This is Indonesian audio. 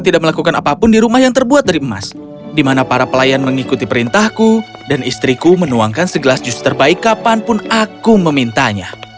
di mana para pelayan mengikuti perintahku dan istriku menuangkan segelas jus terbaik kapanpun aku memintanya